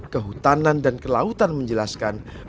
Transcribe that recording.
kehutanan dan kelautan menjelaskan